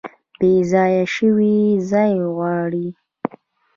بیځایه شوي ځای غواړي